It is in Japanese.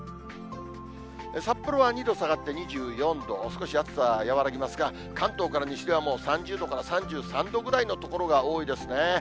札幌は２度下がって２４度、少し暑さ、和らぎますが、関東から西ではもう３０度から３３度ぐらいの所が多いですね。